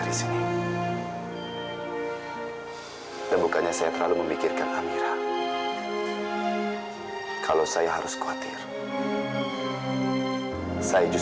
tidak akan kami tindak lanjuti lagi